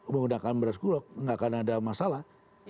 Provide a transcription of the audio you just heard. menggunakan beras gulok gak akan ada masalah